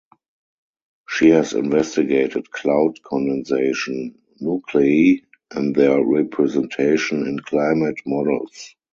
She has investigated cloud condensation nuclei and their representation in climate models.